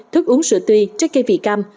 thức uống sữa tươi trái cây vị cam